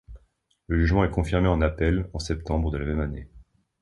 Le jugement est confirmé en appel en septembre de la même année.